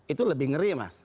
itu lebih ngeri mas